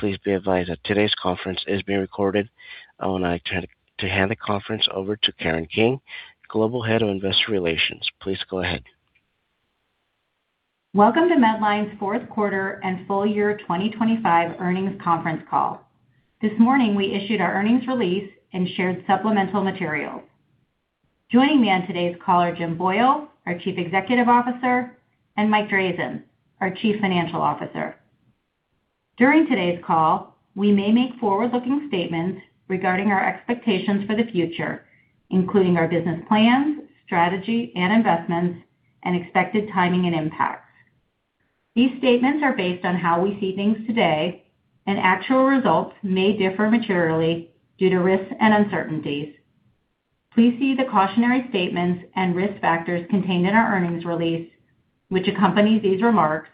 Please be advised that today's conference is being recorded. I would like to hand the conference over to Karen King, Global Head of Investor Relations. Please go ahead. Welcome to Medline's fourth quarter and full year 2025 earnings conference call. This morning, we issued our earnings release and shared supplemental materials. Joining me on today's call are Jim Boyle, our Chief Executive Officer, and Mike Drazin, our Chief Financial Officer. During today's call, we may make forward-looking statements regarding our expectations for the future, including our business plans, strategy and investments, and expected timing and impact. These statements are based on how we see things today, and actual results may differ materially due to risks and uncertainties. Please see the cautionary statements and risk factors contained in our earnings release, which accompanies these remarks,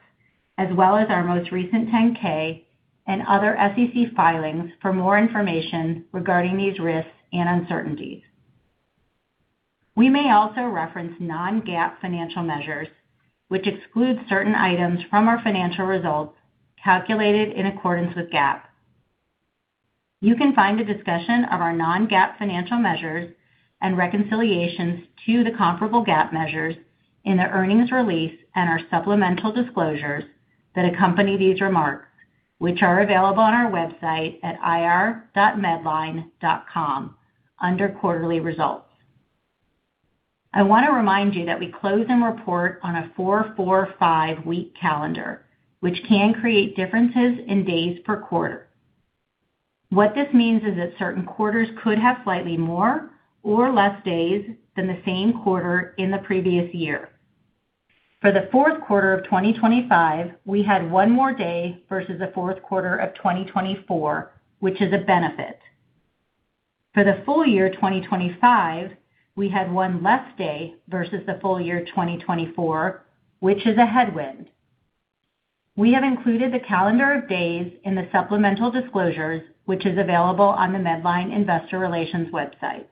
as well as our most recent Form 10-K and other SEC filings for more information regarding these risks and uncertainties. We may also reference non-GAAP financial measures, which exclude certain items from our financial results calculated in accordance with GAAP. You can find a discussion of our non-GAAP financial measures and reconciliations to the comparable GAAP measures in the earnings release and our supplemental disclosures that accompany these remarks, which are available on our website at ir.medline.com under quarterly results. I want to remind you that we close and report on a four-four-five week calendar, which can create differences in days per quarter. What this means is that certain quarters could have slightly more or less days than the same quarter in the previous year. For the fourth quarter of 2025, we had one more day versus the fourth quarter of 2024, which is a benefit. For the full year 2025, we had one less day versus the full year 2024, which is a headwind. We have included the calendar of days in the supplemental disclosures, which is available on the Medline Investor Relations website.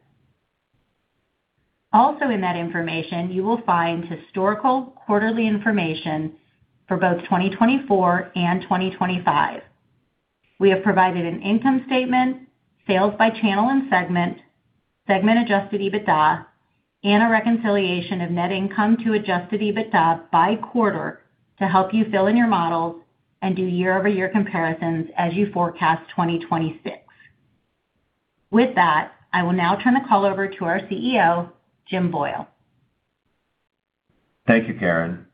Also, in that information, you will find historical quarterly information for both 2024 and 2025. We have provided an income statement, sales by channel and segment Adjusted EBITDA, and a reconciliation of net income to Adjusted EBITDA by quarter to help you fill in your models and do year-over-year comparisons as you forecast 2026. With that, I will now turn the call over to our CEO, Jim Boyle. Thank you, Karen.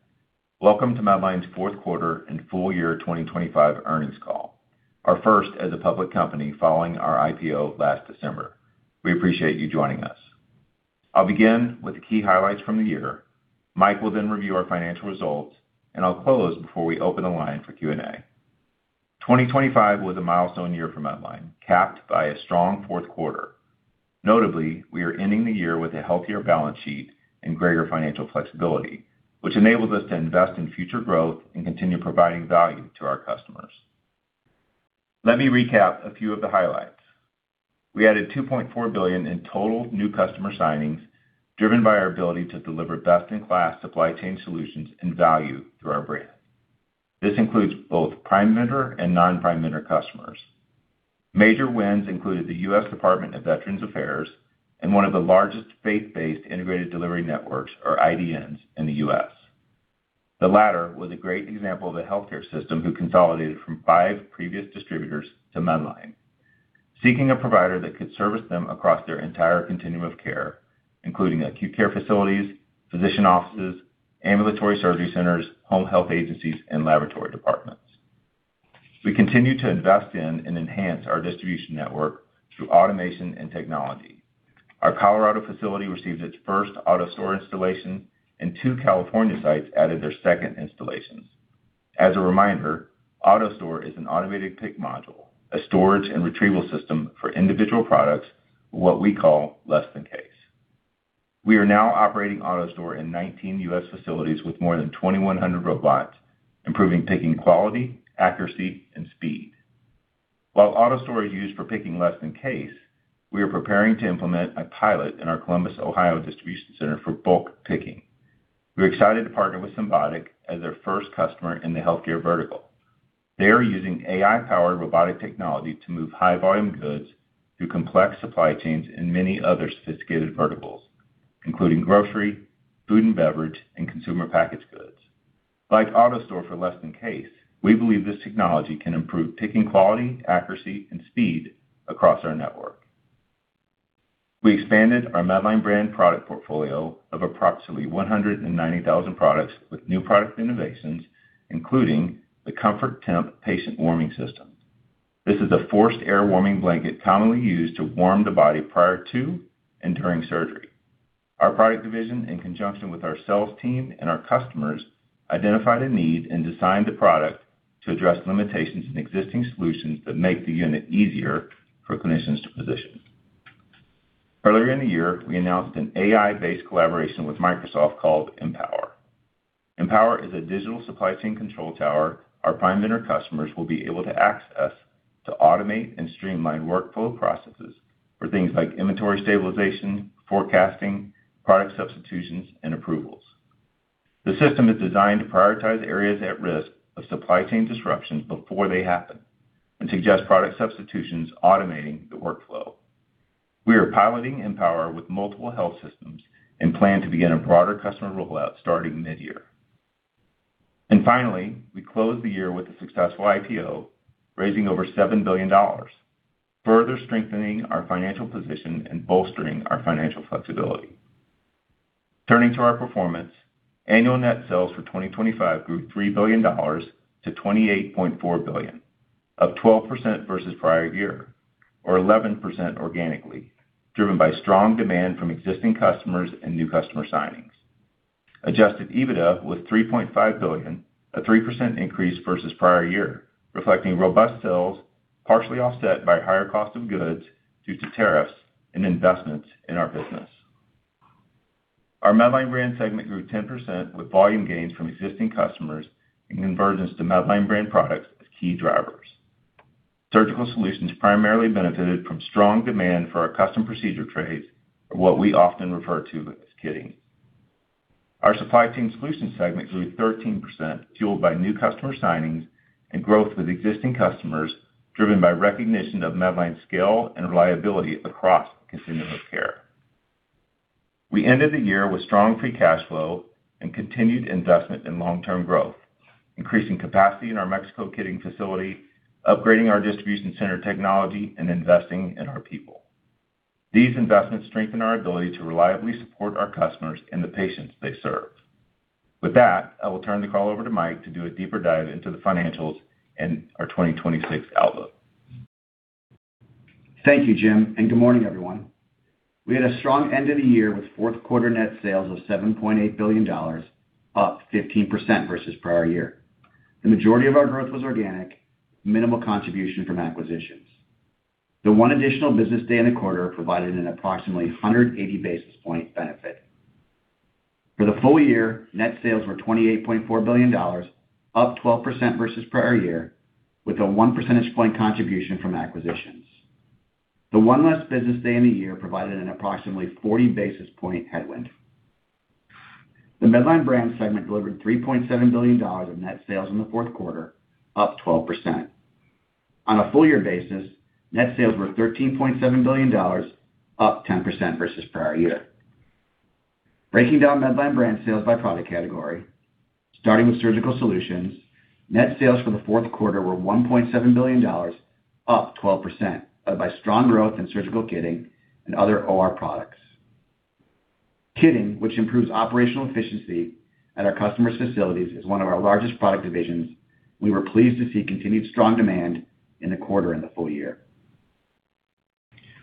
Welcome to Medline's fourth quarter and full year 2025 earnings call, our first as a public company following our IPO last December. We appreciate you joining us. I'll begin with the key highlights from the year. Mike will then review our financial results. I'll close before we open the line for Q&A. 2025 was a milestone year for Medline, capped by a strong fourth quarter. Notably, we are ending the year with a healthier balance sheet and greater financial flexibility, which enables us to invest in future growth and continue providing value to our customers. Let me recap a few of the highlights. We added $2.4 billion in total new customer signings, driven by our ability to deliver best-in-class supply chain solutions and value through our brand. This includes both Prime Vendor and non-Prime Vendor customers. Major wins included the U.S. Department of Veterans Affairs and one of the largest faith-based integrated delivery networks, or IDNs, in the U.S.. The latter was a great example of a healthcare system who consolidated from five previous distributors to Medline, seeking a provider that could service them across their entire continuum of care, including acute care facilities, physician offices, ambulatory surgery centers, home health agencies, and laboratory departments. We continue to invest in and enhance our distribution network through automation and technology. Our Colorado facility received its first AutoStore installation, and two California sites added their second installations. As a reminder, AutoStore is an automated pick module, a storage and retrieval system for individual products, what we call less than case. We are now operating AutoStore in 19 U.S. facilities with more than 2,100 robots, improving picking quality, accuracy, and speed. While AutoStore is used for picking less than case, we are preparing to implement a pilot in our Columbus, Ohio, distribution center for bulk picking. We're excited to partner with Symbotic as their first customer in the healthcare vertical. They are using AI-powered robotic technology to move high-volume goods through complex supply chains in many other sophisticated verticals, including grocery, food and beverage, and consumer packaged goods. Like AutoStore for less than case, we believe this technology can improve picking quality, accuracy, and speed across our network. We expanded our Medline Brand product portfolio of approximately 190,000 products with new product innovations, including the ComfortTemp Patient Warming System. This is a forced air warming blanket commonly used to warm the body prior to and during surgery. Our product division, in conjunction with our sales team and our customers, identified a need and designed a product to address limitations in existing solutions that make the unit easier for clinicians to position. Earlier in the year, we announced an AI-based collaboration with Microsoft called Mpower. Mpower is a digital supply chain control tower our Prime Vendor customers will be able to access to automate and streamline workflow processes for things like inventory stabilization, forecasting, product substitutions, and approvals. The system is designed to prioritize areas at risk of supply chain disruptions before they happen and suggest product substitutions, automating the workflow. We are piloting MPower with multiple health systems and plan to begin a broader customer rollout starting mid-year. Finally, we closed the year with a successful IPO, raising over $7 billion, further strengthening our financial position and bolstering our financial flexibility. Turning to our performance, annual net sales for 2025 grew $3 billion to $28.4 billion, up 12% versus prior year, or 11% organically, driven by strong demand from existing customers and new customer signings. Adjusted EBITDA was $3.5 billion, a 3% increase versus prior year, reflecting robust sales, partially offset by higher cost of goods due to tariffs and investments in our business. Our Medline Brand segment grew 10%, with volume gains from existing customers and convergence to Medline Brand products as key drivers. Surgical Solutions primarily benefited from strong demand for our custom procedure trays, or what we often refer to as kitting. Our Supply Chain Solutions segment grew 13%, fueled by new customer signings and growth with existing customers, driven by recognition of Medline's scale and reliability across continuum of care. We ended the year with strong free cash flow and continued investment in long-term growth, increasing capacity in our Mexico kitting facility, upgrading our distribution center technology, and investing in our people. These investments strengthen our ability to reliably support our customers and the patients they serve. With that, I will turn the call over to Mike to do a deeper dive into the financials and our 2026 outlook. Thank you, Jim. Good morning, everyone. We had a strong end of the year, with fourth quarter net sales of $7.8 billion, up 15% versus prior year. The majority of our growth was organic, minimal contribution from acquisitions. The one additional business day in the quarter provided an approximately 180 basis point benefit. For the full year, net sales were $28.4 billion, up 12% versus prior year, with a one percentage point contribution from acquisitions. The one less business day in the year provided an approximately 40 basis point headwind. The Medline Brand segment delivered $3.7 billion in net sales in the fourth quarter, up 12%. On a full year basis, net sales were $13.7 billion, up 10% versus prior year. Breaking down Medline Brand sales by product category, starting with Surgical Solutions, net sales for the fourth quarter were $1.7 billion, up 12%, led by strong growth in surgical kitting and other OR products. Kitting, which improves operational efficiency at our customers' facilities, is one of our largest product divisions. We were pleased to see continued strong demand in the quarter and the full year.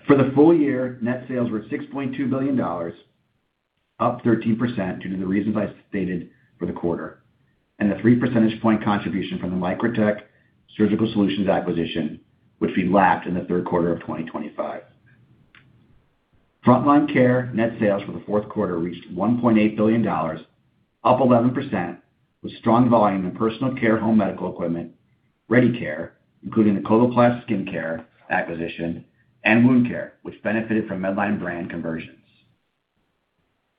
For the full year, net sales were $6.2 billion, up 13%, due to the reasons I stated for the quarter, and a three percentage point contribution from the MicroTech Surgical Solutions acquisition, which we lapped in the third quarter of 2025. Frontline Care net sales for the fourth quarter reached $1.8 billion, up 11%, with strong volume in Personal Care home medical equipment, ReadyCare, including the Coloplast Skincare acquisition, and Wound Care, which benefited from Medline brand conversions.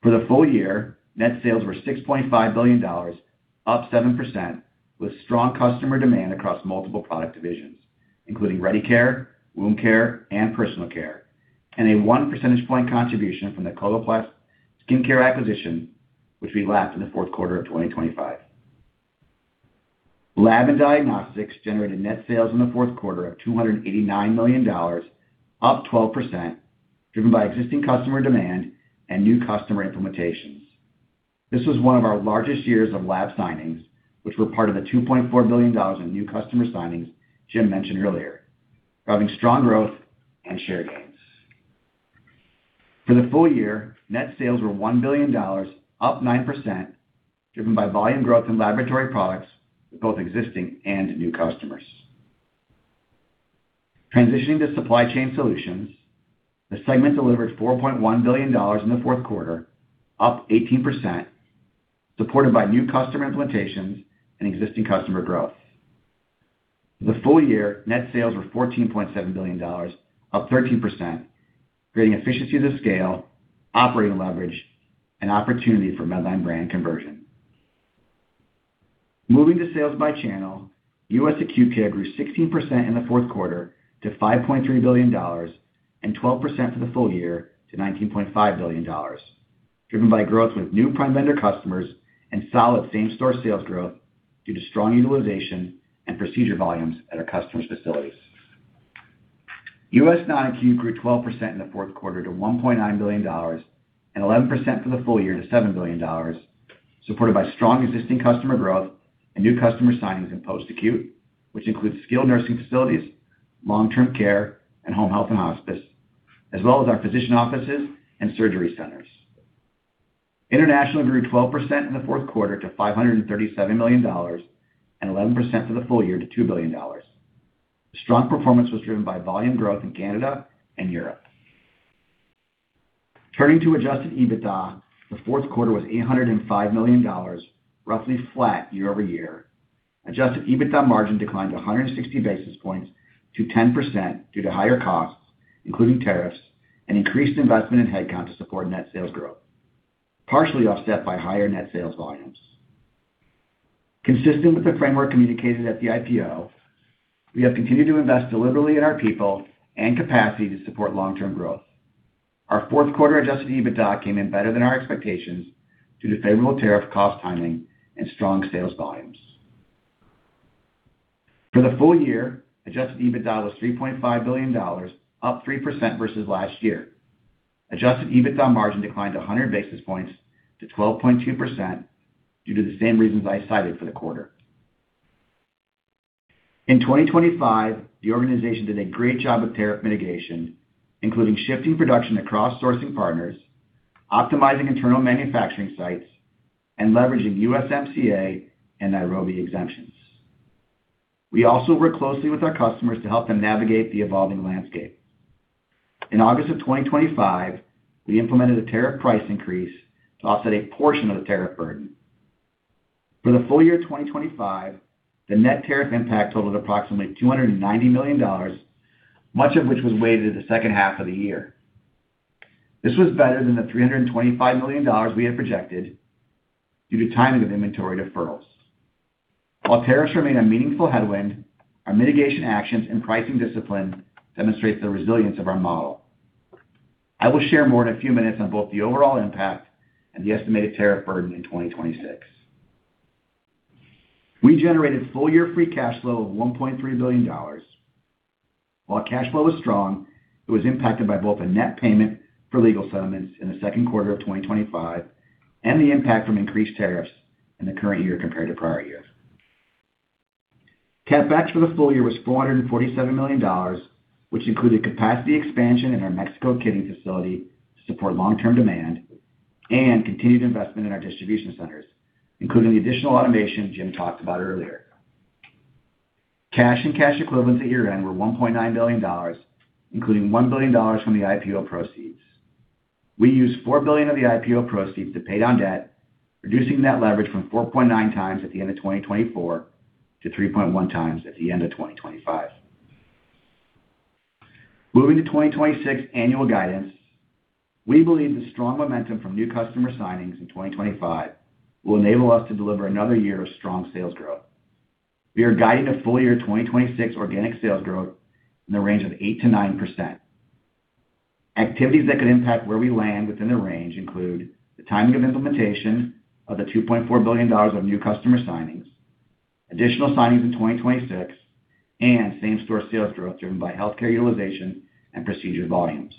For the full year, net sales were $6.5 billion, up 7%, with strong customer demand across multiple product divisions, including ReadyCare, Wound Care, and Personal Care, and a one percentage point contribution from the Coloplast Skincare acquisition, which we lapped in the fourth quarter of 2025. Lab and Diagnostics generated net sales in the fourth quarter of $289 million, up 12%, driven by existing customer demand and new customer implementations. This was one of our largest years of lab signings, which were part of the $2.4 billion in new customer signings Jim mentioned earlier, driving strong growth and share gains. For the full year, net sales were $1 billion, up 9%, driven by volume growth in laboratory products with both existing and new customers. Transitioning to Supply Chain Solutions, the segment delivered $4.1 billion in the fourth quarter, up 18%, supported by new customer implementations and existing customer growth. For the full year, net sales were $14.7 billion, up 13%, creating efficiency to scale, operating leverage, and opportunity for Medline Brand conversion. Moving to sales by channel, U.S. Acute Care grew 16% in the fourth quarter to $5.3 billion and 12% for the full year to $19.5 billion, driven by growth with new Prime Vendor customers and solid same-store sales growth due to strong utilization and procedure volumes at our customers' facilities. U.S. Non-Acute grew 12% in the fourth quarter to $1.9 billion and 11% for the full year to $7 billion, supported by strong existing customer growth and new customer signings in post-acute, which includes skilled nursing facilities, long-term care, and home health and hospice, as well as our physician offices and surgery centers. International grew 12% in the fourth quarter to $537 million, and 11% for the full year to $2 billion. Strong performance was driven by volume growth in Canada and Europe. Turning to Adjusted EBITDA, the fourth quarter was $805 million, roughly flat year-over-year. Adjusted EBITDA margin declined 160 basis points to 10% due to higher costs, including tariffs, and increased investment in headcount to support net sales growth, partially offset by higher net sales volumes. Consistent with the framework communicated at the IPO, we have continued to invest deliberately in our people and capacity to support long-term growth. Our fourth quarter Adjusted EBITDA came in better than our expectations due to favorable tariff cost timing and strong sales volumes. For the full year, Adjusted EBITDA was $3.5 billion, up 3% versus last year. Adjusted EBITDA margin declined 100 basis points to 12.2% due to the same reasons I cited for the quarter. In 2025, the organization did a great job with tariff mitigation, including shifting production across sourcing partners, optimizing internal manufacturing sites, and leveraging USMCA and Nairobi exemptions. We also worked closely with our customers to help them navigate the evolving landscape. In August of 2025, we implemented a tariff price increase to offset a portion of the tariff burden. For the full year 2025, the net tariff impact totaled approximately $290 million, much of which was weighted in the second half of the year. This was better than the $325 million we had projected due to timing of inventory deferrals. While tariffs remain a meaningful headwind, our mitigation actions and pricing discipline demonstrates the resilience of our model. I will share more in a few minutes on both the overall impact and the estimated tariff burden in 2026. We generated full-year free cash flow of $1.3 billion. While cash flow was strong, it was impacted by both a net payment for legal settlements in the second quarter of 2025 and the impact from increased tariffs in the current year compared to prior years. CapEx for the full year was $447 million, which included capacity expansion in our Mexico kitting facility to support long-term demand and continued investment in our distribution centers, including the additional automation Jim talked about earlier. Cash and cash equivalents at year-end were $1.9 billion, including $1 billion from the IPO proceeds. We used $4 billion of the IPO proceeds to pay down debt, reducing net leverage from 4.9x at the end of 2024 to 3.1x at the end of 2025. Moving to 2026 annual guidance, we believe the strong momentum from new customer signings in 2025 will enable us to deliver another year of strong sales growth. We are guiding to full year 2026 organic sales growth in the range of 8%-9%. Activities that could impact where we land within the range include the timing of implementation of the $2.4 billion of new customer signings, additional signings in 2026, and same-store sales growth driven by healthcare utilization and procedure volumes.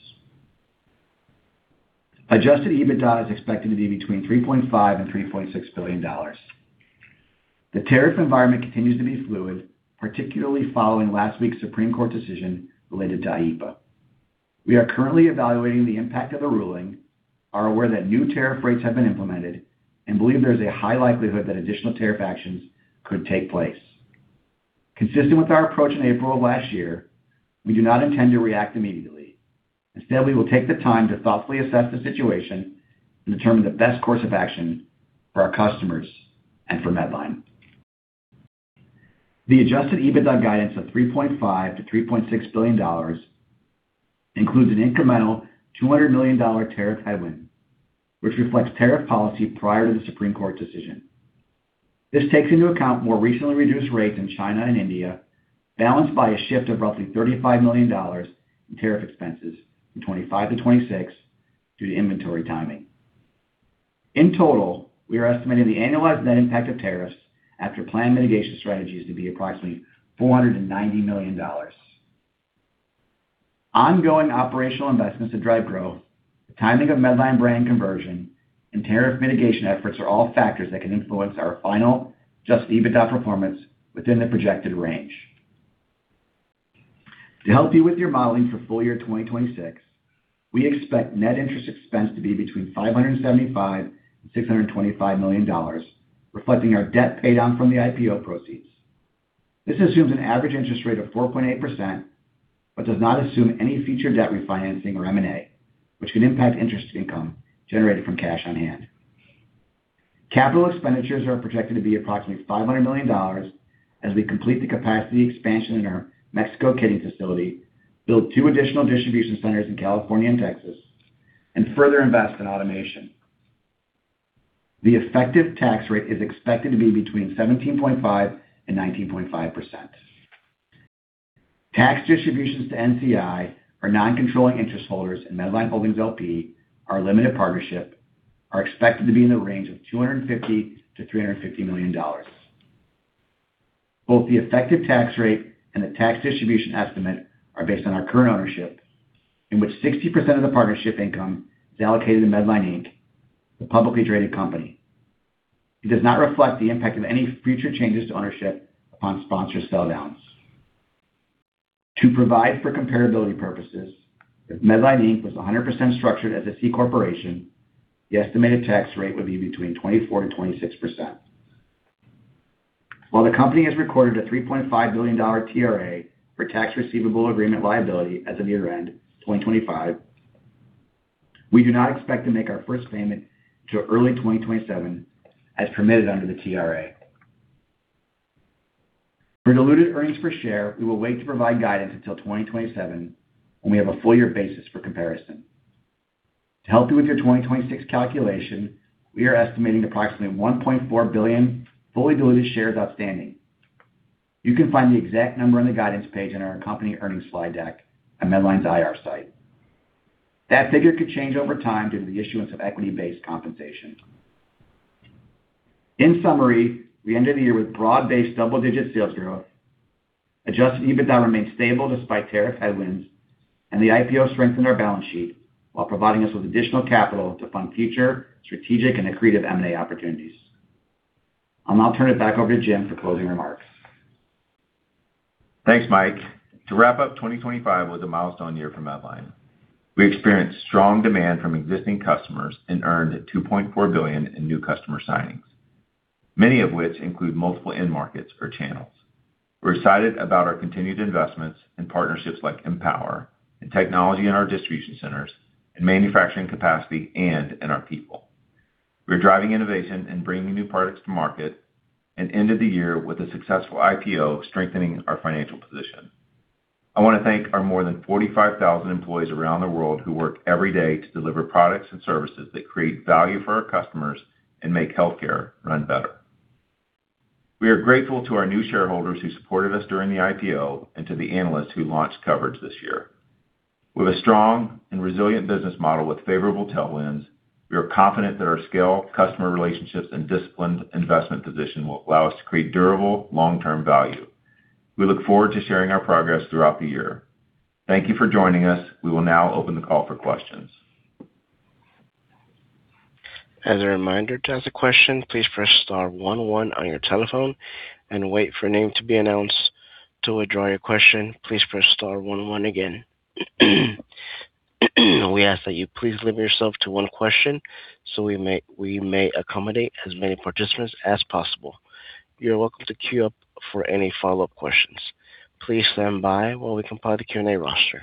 Adjusted EBITDA is expected to be between $3.5 billion and $3.6 billion. The tariff environment continues to be fluid, particularly following last week's Supreme Court decision related to IEEPA. We are currently evaluating the impact of the ruling, are aware that new tariff rates have been implemented, and believe there is a high likelihood that additional tariff actions could take place. Consistent with our approach in April of last year, we do not intend to react immediately. Instead, we will take the time to thoughtfully assess the situation and determine the best course of action for our customers and for Medline. The Adjusted EBITDA guidance of $3.5 billion-$3.6 billion includes an incremental $200 million tariff headwind, which reflects tariff policy prior to the Supreme Court's decision. This takes into account more recently reduced rates in China and India, balanced by a shift of roughly $35 million in tariff expenses from 25-26 due to inventory timing. In total, we are estimating the annualized net impact of tariffs after planned mitigation strategies to be approximately $490 million. Ongoing operational investments to drive growth, the timing of Medline Brand conversion, and tariff mitigation efforts are all factors that can influence our final Adjusted EBITDA performance within the projected range. To help you with your modeling for full year 2026, we expect net interest expense to be between $575 million and $625 million, reflecting our debt paydown from the IPO proceeds. This assumes an average interest rate of 4.8%, but does not assume any future debt refinancing or M&A, which can impact interest income generated from cash on hand. Capital expenditures are projected to be approximately $500 million as we complete the capacity expansion in our Mexico kitting facility, build two additional distribution centers in California and Texas, and further invest in automation. The effective tax rate is expected to be between 17.5% and 19.5%. Tax distributions to NCI, our non-controlling interest holders in Medline Holdings LP, our limited partnership, are expected to be in the range of $250 million-$350 million. Both the effective tax rate and the tax distribution estimate are based on our current ownership, in which 60% of the partnership income is allocated to Medline Inc., the publicly traded company. It does not reflect the impact of any future changes to ownership upon sponsor sell downs. To provide for comparability purposes, if Medline Inc. was 100% structured as a C corporation, the estimated tax rate would be between 24%-26%. While the company has recorded a $3.5 billion TRA, or tax receivable agreement liability, as of year-end 2025. We do not expect to make our first payment to early 2027, as permitted under the TRA. For diluted earnings per share, we will wait to provide guidance until 2027, when we have a full year basis for comparison. To help you with your 2026 calculation, we are estimating approximately 1.4 billion fully diluted shares outstanding. You can find the exact number on the guidance page in our company earnings slide deck at Medline's IR site. That figure could change over time due to the issuance of equity-based compensation. In summary, we ended the year with broad-based double-digit sales growth. Adjusted EBITDA remains stable despite tariff headwinds. The IPO strengthened our balance sheet while providing us with additional capital to fund future strategic and accretive M&A opportunities. I'll now turn it back over to Jim for closing remarks. Thanks, Mike. To wrap up, 2025 was a milestone year for Medline. We experienced strong demand from existing customers and earned $2.4 billion in new customer signings, many of which include multiple end markets or channels. We're excited about our continued investments in partnerships like Mpower, in technology in our distribution centers, in manufacturing capacity, and in our people. We are driving innovation and bringing new products to market and ended the year with a successful IPO, strengthening our financial position. I want to thank our more than 45,000 employees around the world who work every day to deliver products and services that create value for our customers and make healthcare run better. We are grateful to our new shareholders who supported us during the IPO and to the analysts who launched coverage this year. With a strong and resilient business model with favorable tailwinds, we are confident that our scale, customer relationships, and disciplined investment position will allow us to create durable, long-term value. We look forward to sharing our progress throughout the year. Thank you for joining us. We will now open the call for questions. As a reminder, to ask a question, please press star one one on your telephone and wait for a name to be announced. To withdraw your question, please press star one one again. We ask that you please limit yourself to 1 question so we may accommodate as many participants as possible. You're welcome to queue up for any follow-up questions. Please stand by while we compile the Q&A roster.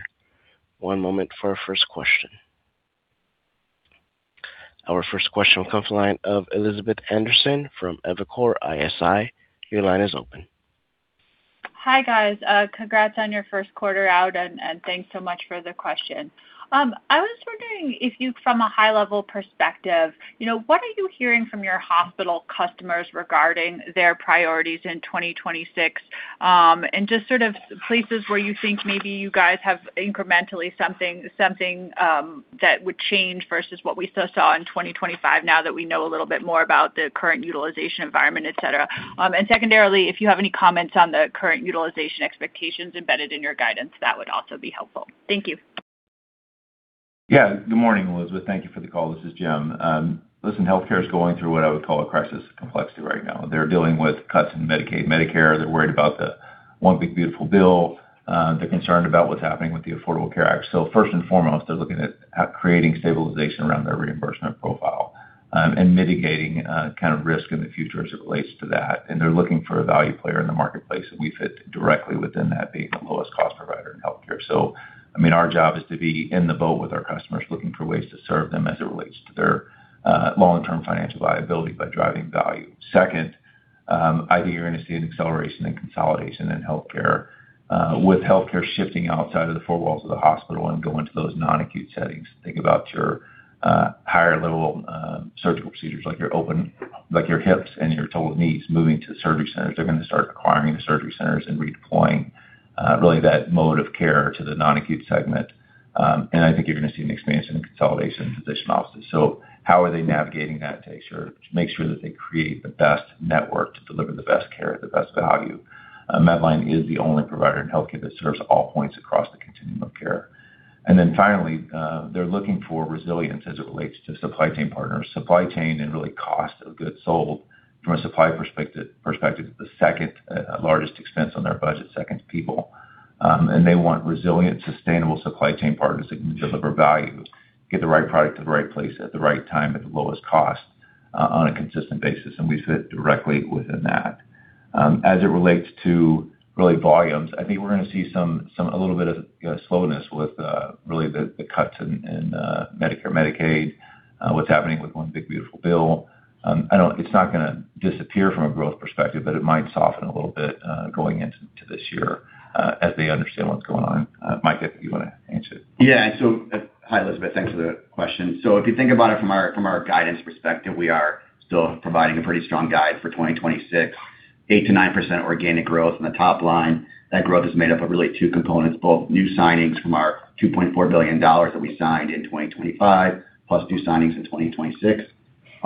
One moment for our first question. Our first question will come from the line of Elizabeth Anderson from Evercore ISI. Your line is open. Hi, guys. Congrats on your first quarter out, and thanks so much for the question. I was wondering if from a high-level perspective, you know, what are you hearing from your hospital customers regarding their priorities in 2026? Just sort of places where you think maybe you guys have incrementally something that would change versus what we saw in 2025, now that we know a little bit more about the current utilization environment, et cetera. Secondarily, if you have any comments on the current utilization expectations embedded in your guidance, that would also be helpful. Thank you. Yeah. Good morning, Elizabeth. Thank you for the call. This is Jim. Listen, healthcare is going through what I would call a crisis of complexity right now. They're dealing with cuts in Medicaid, Medicare. They're worried about the One Big Beautiful Bill. They're concerned about what's happening with the Affordable Care Act. First and foremost, they're looking at creating stabilization around their reimbursement profile, and mitigating kind of risk in the future as it relates to that. They're looking for a value player in the marketplace, and we fit directly within that, being the lowest cost provider in healthcare. I mean, our job is to be in the boat with our customers, looking for ways to serve them as it relates to their long-term financial viability by driving value. Second, I think you're going to see an acceleration and consolidation in healthcare, with healthcare shifting outside of the four walls of the hospital and go into those non-acute settings. Think about your higher-level surgical procedures, like your open, like your hips and your total knees moving to surgery centers. They're going to start acquiring the surgery centers and redeploying, really, that mode of care to the Non-Acute Segment. I think you're going to see an expansion in consolidation in physician offices. How are they navigating that to make sure that they create the best network to deliver the best care at the best value? Medline is the only provider in healthcare that serves all points across the continuum of care. Finally, they're looking for resilience as it relates to supply chain partners. Supply chain and really cost of goods sold from a supply perspective is the second largest expense on their budget, second to people. They want resilient, sustainable supply chain partners that can deliver value, get the right product to the right place at the right time, at the lowest cost on a consistent basis, and we fit directly within that. As it relates to really volumes, I think we're going to see some a little bit of slowness with really the cuts in Medicare, Medicaid, what's happening with One Big Beautiful Bill. It's not going to disappear from a growth perspective, but it might soften a little bit going into this year as they understand what's going on. Mike, if you want to answer it. Hi, Elizabeth. Thanks for the question. If you think about it from our guidance perspective, we are still providing a pretty strong guide for 2026, 8%-9% organic growth in the top line. That growth is made up of really two components, both new signings from our $2.4 billion that we signed in 2025, plus new signings in 2026,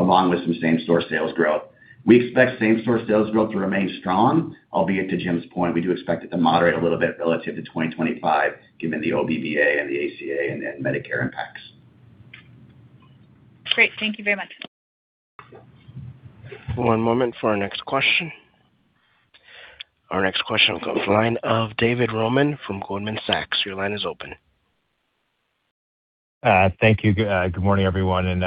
along with some same-store sales growth. We expect same-store sales growth to remain strong, albeit to Jim's point, we do expect it to moderate a little bit relative to 2025, given the OBBBA and the ACA and Medicare impacts. Great. Thank you very much. One moment for our next question. Our next question comes line of David Roman from Goldman Sachs. Your line is open. Thank you. Good morning, everyone, and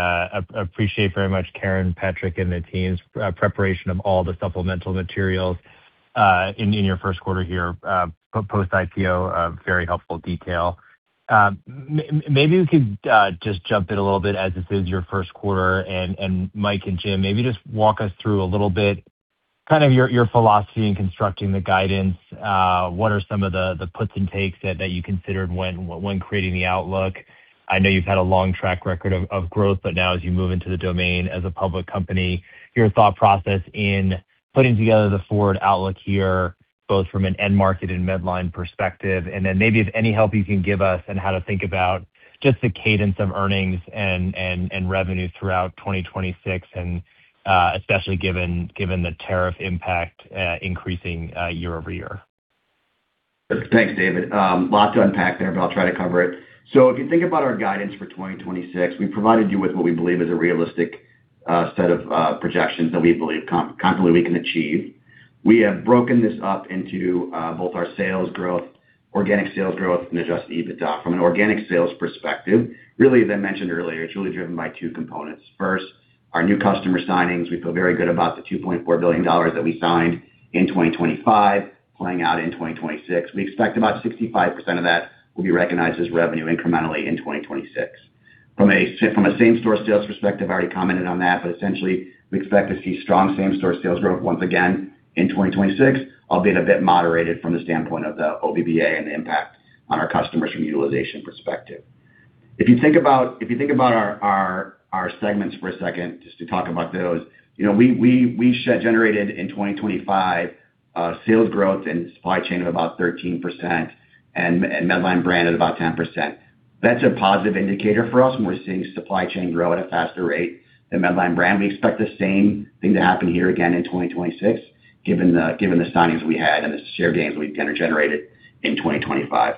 appreciate very much Karen, Patrick, and the team's preparation of all the supplemental materials. In your first quarter here, post IPO, very helpful detail. Maybe we could just jump in a little bit as this is your first quarter, and Mike and Jim, maybe just walk us through a little bit, kind of your philosophy in constructing the guidance. What are some of the puts and takes that you considered when creating the outlook? I know you've had a long track record of growth, but now as you move into the domain as a public company, your thought process in putting together the forward outlook here, both from an end market and Medline perspective, and then maybe if any help you can give us on how to think about just the cadence of earnings and revenue throughout 2026, especially given the tariff impact, increasing year-over-year. Thanks, David. lots to unpack there, but I'll try to cover it. If you think about our guidance for 2026, we provided you with what we believe is a realistic set of projections that we believe confidently we can achieve. We have broken this up into both our sales growth, organic sales growth, and Adjusted EBITDA. From an organic sales perspective, as I mentioned earlier, it's really driven by two components. First, our new customer signings. We feel very good about the $2.4 billion that we signed in 2025, playing out in 2026. We expect about 65% of that will be recognized as revenue incrementally in 2026. From a same store sales perspective, I already commented on that. Essentially we expect to see strong same store sales growth once again in 2026, albeit a bit moderated from the standpoint of the BBA and the impact on our customers from utilization perspective. If you think about our segments for a second, just to talk about those, you know, we generated in 2025 sales growth in Supply Chain of about 13% and Medline Brand at about 10%. That's a positive indicator for us. We're seeing Supply Chain grow at a faster rate than Medline Brand. We expect the same thing to happen here again in 2026, given the signings we had and the share gains we kind of generated in 2025.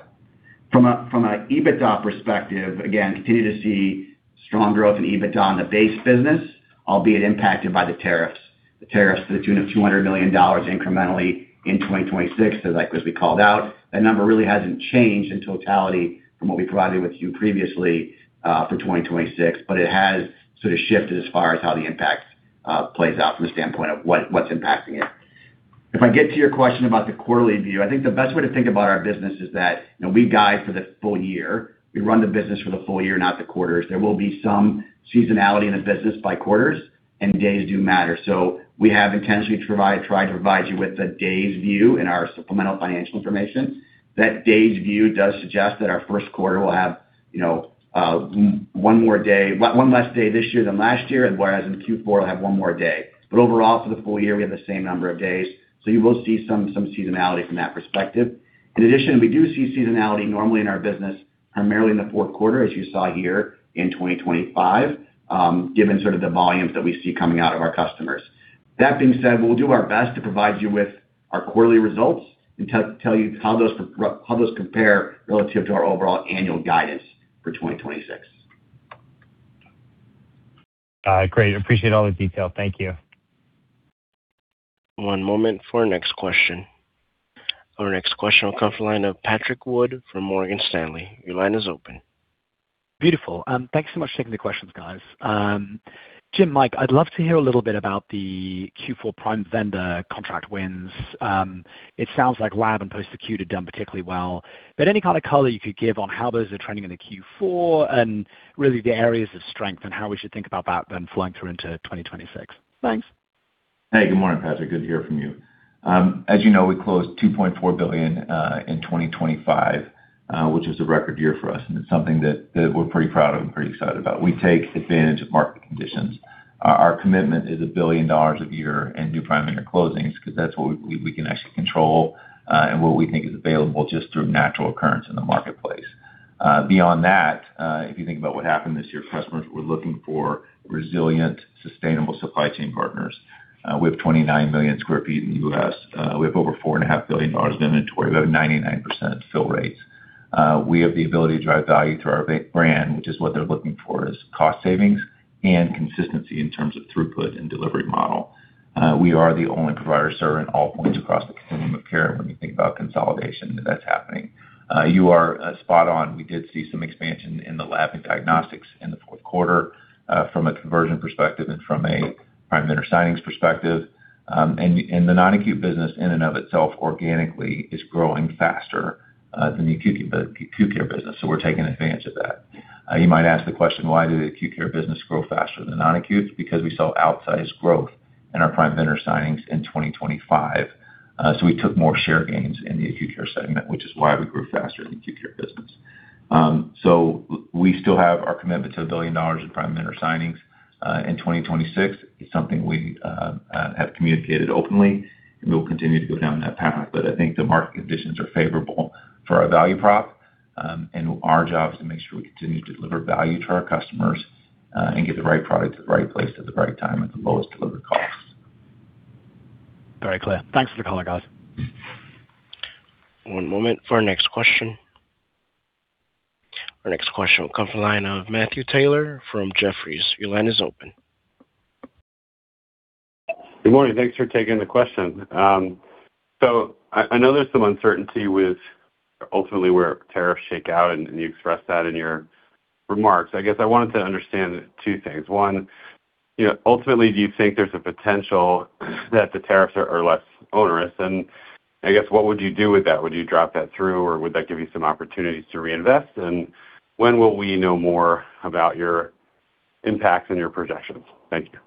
From an EBITDA perspective, again, continue to see strong growth in EBITDA on the base business, albeit impacted by the tariffs. The tariffs to the tune of $200 million incrementally in 2026, like as we called out, that number really hasn't changed in totality from what we provided with you previously for 2026, it has sort of shifted as far as how the impact plays out from the standpoint of what's impacting it. If I get to your question about the quarterly view, I think the best way to think about our business is that, you know, we guide for the full year. We run the business for the full year, not the quarters. There will be some seasonality in the business by quarters, days do matter. We have intentionally tried to provide you with the days view in our supplemental financial information. That days view does suggest that our first quarter will have, you know, one more day one less day this year than last year, and whereas in Q4, we'll have one more day. Overall, for the full year, we have the same number of days, so you will see some seasonality from that perspective. In addition, we do see seasonality normally in our business, primarily in the fourth quarter, as you saw here in 2025, given sort of the volumes that we see coming out of our customers. That being said, we'll do our best to provide you with our quarterly results and tell you how those compare relative to our overall annual guidance for 2026. Great. Appreciate all the detail. Thank you. One moment for our next question. Our next question will come from the line of Patrick Wood from Morgan Stanley. Your line is open. Beautiful. Thanks so much for taking the questions, guys. Jim, Mike, I'd love to hear a little bit about the Q4 Prime Vendor contract wins. It sounds like lab and post-acute have done particularly well, but any kind of color you could give on how those are trending in the Q4 and really the areas of strength and how we should think about that then flowing through into 2026. Thanks. Hey, good morning, Patrick. Good to hear from you. As you know, we closed $2.4 billion in 2025, which is a record year for us, and it's something that we're pretty proud of and pretty excited about. We take advantage of market conditions. Our commitment is $1 billion a year in new Prime Vendor closings, 'cause that's what we can actually control and what we think is available just through natural occurrence in the marketplace. Beyond that, if you think about what happened this year, customers were looking for resilient, sustainable supply chain partners. We have 29 million sq ft in the U.S.. We have over $4.5 billion of inventory. We have 99% fill rates. We have the ability to drive value to our brand, which is what they're looking for, is cost savings and consistency in terms of throughput and delivery model. We are the only provider serving all points across the continuum of care when you think about consolidation that's happening. You are spot on. We did see some expansion in the Laboratory and Diagnostics in the fourth quarter from a conversion perspective and from a Prime Vendor signings perspective. The non-acute business in and of itself, organically, is growing faster than the acute care business, so we're taking advantage of that. You might ask the question, "Why did the acute care business grow faster than non-acute?" Because we saw outsized growth in our Prime Vendor signings in 2025. We took more share gains in the acute care segment, which is why we grew faster in the acute care business. We still have our commitment to $1 billion in Prime Vendor signings in 2026. It's something we have communicated openly, and we'll continue to go down that path. I think the market conditions are favorable for our value prop, and our job is to make sure we continue to deliver value to our customers, and get the right product to the right place at the right time at the lowest delivery cost. Very clear. Thanks for the color, guys. One moment for our next question. Our next question will come from the line of Matthew Taylor from Jefferies. Your line is open. Good morning, thanks for taking the question. I know there's some uncertainty.... Ultimately, where tariffs shake out, and you expressed that in your remarks. I guess I wanted to understand two things: One, you know, ultimately, do you think there's a potential that the tariffs are less onerous? I guess, what would you do with that? Would you drop that through, or would that give you some opportunities to reinvest? When will we know more about your impacts and your projections? Thank you.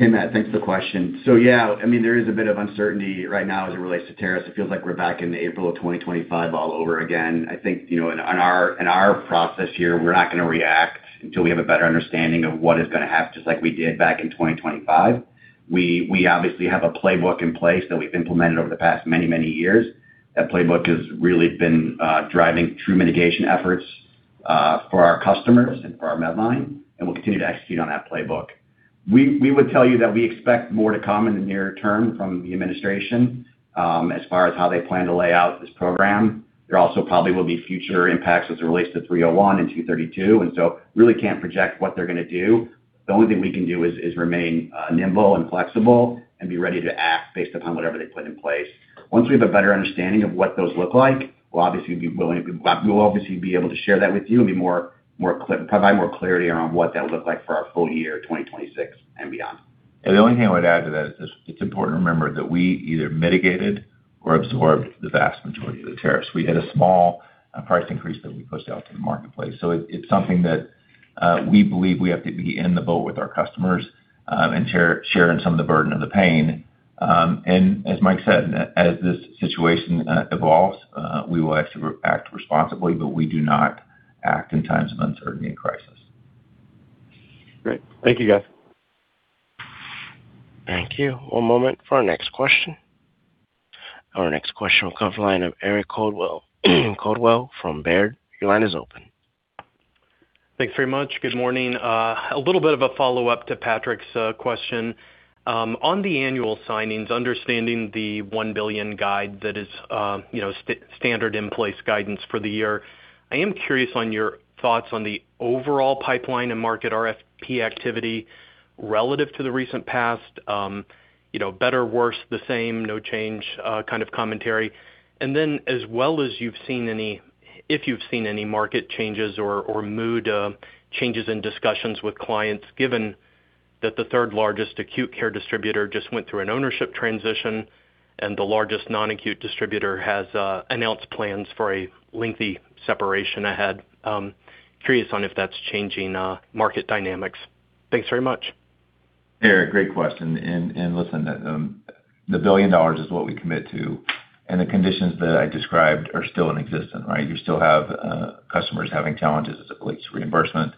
Hey, Matt, thanks for the question. Yeah, I mean, there is a bit of uncertainty right now as it relates to tariffs. It feels like we're back in April of 2025 all over again. I think, you know, in our process here, we're not going to react until we have a better understanding of what is going to happen, just like we did back in 2025. We obviously have a playbook in place that we've implemented over the past many, many years. That playbook has really been driving true mitigation efforts for our customers and for our Medline, and we'll continue to execute on that playbook. We would tell you that we expect more to come in the near term from the administration, as far as how they plan to lay out this program. There also probably will be future impacts as it relates to 301 and 232, really can't project what they're going to do. The only thing we can do is remain nimble and flexible and be ready to act based upon whatever they put in place. Once we have a better understanding of what those look like, we'll obviously be able to share that with you and provide more clarity around what that would look like for our full year, 2026 and beyond. The only thing I would add to that is just it's important to remember that we either mitigated or absorbed the vast majority of the tariffs. We had a small price increase that we pushed out to the marketplace. It's something that we believe we have to be in the boat with our customers and share in some of the burden of the pain. As Mike said, as this situation evolves, we will actually act responsibly, but we do not act in times of uncertainty and crisis. Great. Thank you, guys. Thank you. One moment for our next question. Our next question will come from the line of Eric Coldwell from Baird. Your line is open. Thanks very much. Good morning. A little bit of a follow-up to Patrick's question. On the annual signings, understanding the $1 billion guide that is, you know, standard in place guidance for the year, I am curious on your thoughts on the overall pipeline and market RFP activity relative to the recent past. You know, better, worse, the same, no change, kind of commentary. Then, as well as you've seen if you've seen any market changes or mood changes in discussions with clients, given that the third largest acute care distributor just went through an ownership transition, and the largest non-acute distributor has announced plans for a lengthy separation ahead. Curious on if that's changing market dynamics. Thanks very much. Eric, great question. Listen, the billion dollars is what we commit to, and the conditions that I described are still in existence, right? You still have customers having challenges as it relates to reimbursement,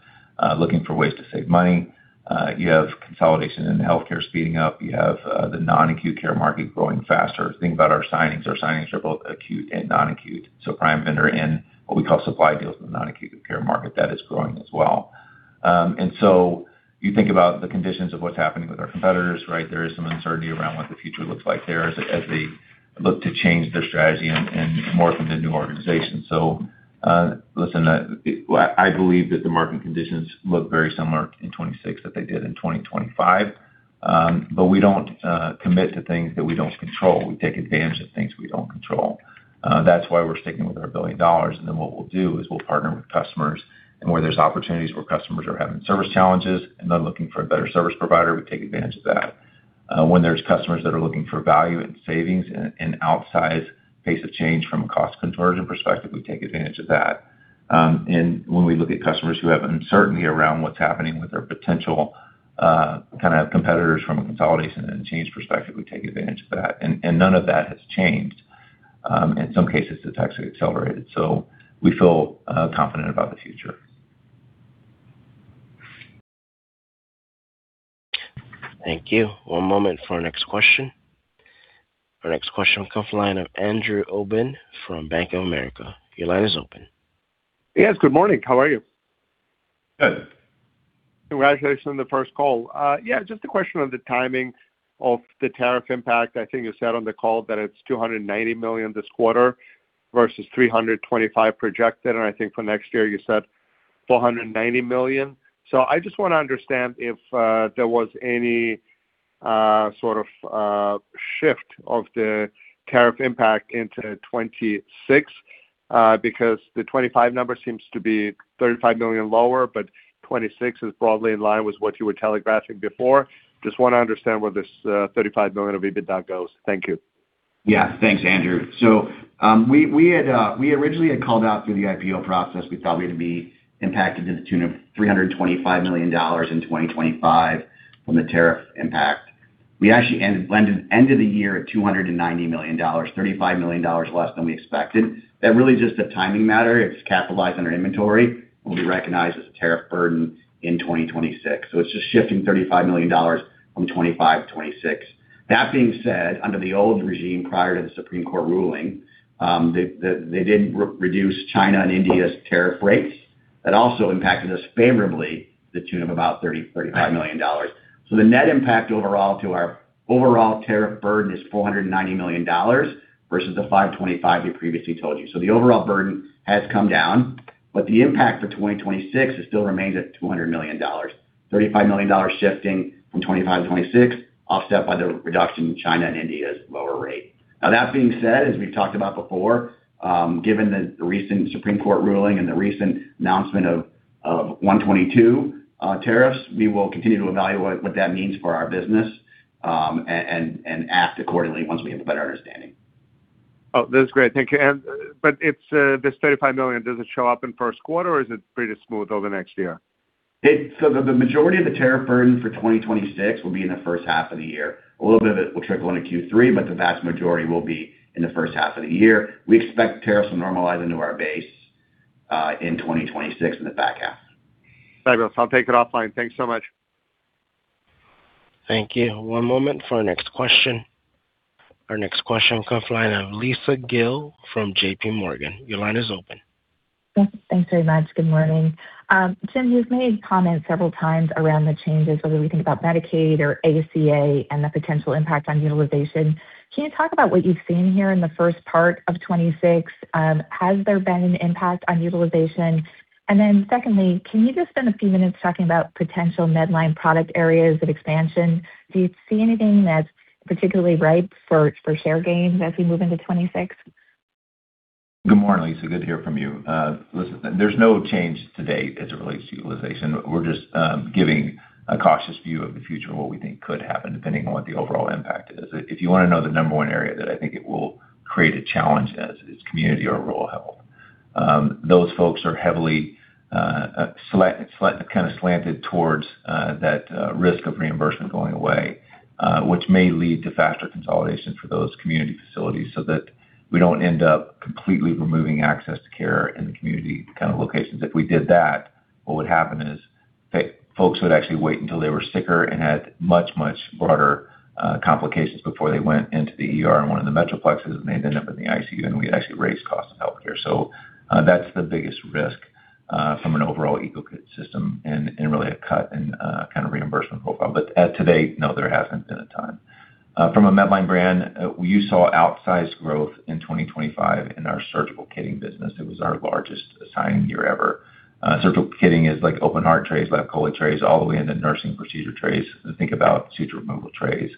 looking for ways to save money. You have consolidation in the healthcare speeding up. You have the non-acute care market growing faster. Think about our signings. Our signings are both acute and non-acute, so Prime Vendor in what we call supply deals in the non-acute care market, that is growing as well. You think about the conditions of what's happening with our competitors, right? There is some uncertainty around what the future looks like there as they look to change their strategy and morph into new organizations. I believe that the market conditions look very similar in 2026 than they did in 2025. We don't commit to things that we don't control. We take advantage of things we don't control. That's why we're sticking with our $1 billion, and then what we'll do is we'll partner with customers, and where there's opportunities, where customers are having service challenges and they're looking for a better service provider, we take advantage of that. When there's customers that are looking for value and savings and outsized pace of change from a cost conversion perspective, we take advantage of that. And when we look at customers who have uncertainty around what's happening with their potential, kind of competitors from a consolidation and change perspective, we take advantage of that, and none of that has changed. In some cases, it's actually accelerated. We feel confident about the future. Thank you. One moment for our next question. Our next question comes from the line of Andrew Obin from Bank of America. Your line is open. Yes, good morning. How are you? Good. Congratulations on the first call. Just a question on the timing of the tariff impact. I think you said on the call that it's $290 million this quarter versus $325 projected, and I think for next year, you said $490 million. I just want to understand if there was any sort of shift of the tariff impact into 2026, because the 2025 number seems to be $35 million lower, but 2026 is broadly in line with what you were telegraphing before. Just want to understand where this $35 million of EBITDA goes. Thank you. Thanks, Andrew. We had called out through the IPO process, we thought we'd be impacted to the tune of $325 million in 2025 from the tariff impact. We actually ended, landed end of the year at $290 million, $35 million less than we expected. That really is just a timing matter. It's capitalized on our inventory, and we recognize as a tariff burden in 2026. It's just shifting $35 million from 2025-2026. That being said, under the old regime, prior to the Supreme Court ruling, they did re-reduce China and India's tariff rates. That also impacted us favorably to the tune of about $30 million-$35 million. The net impact overall to our overall tariff burden is $490 million versus the $525 we previously told you. The overall burden has come down The impact for 2026, it still remains at $200 million. $35 million shifting from 25-26, offset by the reduction in China and India's lower rate. That being said, as we've talked about before, given the recent Supreme Court ruling and the recent announcement of 122 tariffs, we will continue to evaluate what that means for our business, and act accordingly once we have a better understanding. Oh, that's great. Thank you. It's this $35 million, does it show up in first quarter, or is it pretty smooth over the next year? The majority of the tariff burden for 2026 will be in the first half of the year. A little bit of it will trickle into Q3, but the vast majority will be in the first half of the year. We expect tariffs to normalize into our base in 2026 in the back half. Thanks, I'll take it offline. Thanks so much. Thank you. One moment for our next question. Our next question comes from the line of Lisa Gill from JPMorgan. Your line is open. Thanks very much. Good morning. Tim, you've made comments several times around the changes, whether we think about Medicaid or ACA and the potential impact on utilization. Can you talk about what you've seen here in the first part of 2026? Has there been an impact on utilization? Secondly, can you just spend a few minutes talking about potential Medline product areas of expansion? Do you see anything that's particularly ripe for share gains as we move into 2026? Good morning, Lisa. Good to hear from you. listen, there's no change to date as it relates to utilization. We're just giving a cautious view of the future and what we think could happen, depending on what the overall impact is. If you wanna know the number one area that I think it will create a challenge as, is community or rural health. Those folks are heavily kind of slanted towards that risk of reimbursement going away, which may lead to faster consolidation for those community facilities so that we don't end up completely removing access to care in the community kind of locations. If we did that, what would happen is folks would actually wait until they were sicker and had much, much broader complications before they went into the ER in one of the metroplexes, and they'd end up in the ICU, and we'd actually raise costs of healthcare. That's the biggest risk from an overall ecosystem and really a cut in kind of reimbursement profile. As to date, no, there hasn't been a ton. From a Medline Brand, you saw outsized growth in 2025 in our surgical kitting business. It was our largest signing year ever. surgical kitting is like open heart trays, lap chole trays, all the way into nursing procedure trays. Think about suture removal trays